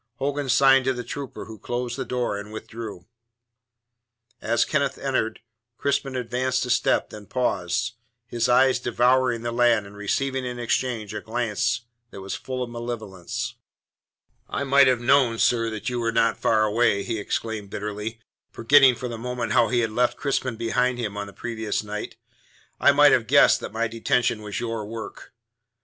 Hogan signed to the trooper, who closed the door and withdrew. As Kenneth entered, Crispin advanced a step and paused, his eyes devouring the lad and receiving in exchange a glance that was full of malevolence. "I might have known, sir, that you were not far away," he exclaimed bitterly, forgetting for the moment how he had left Crispin behind him on the previous night. "I might have guessed that my detention was your work."